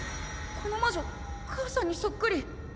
この魔女母さんにそっくり！